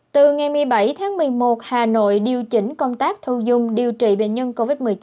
từ ngày một mươi bảy tháng một mươi một hà nội điều chỉnh công tác thu dung điều trị bệnh nhân covid một mươi chín